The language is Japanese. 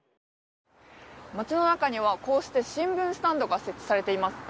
街の中にはこうして新聞スタンドが設置されています。